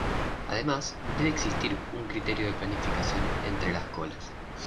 Además debe existir un criterio de planificación entre las colas.